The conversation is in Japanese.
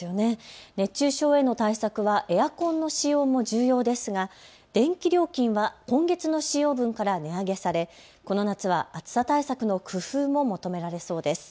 熱中症への対策はエアコンの使用も重要ですが電気料金は今月の使用分から値上げされこの夏は暑さ対策の工夫も求められそうです。